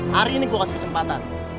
hari ini gue kasih kesempatan